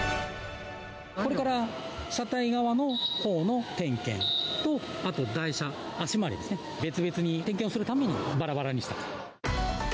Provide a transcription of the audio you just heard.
これから車体側のほうの点検と、あと台車、足回りですね、別々に点検するためにばらばらにしたと。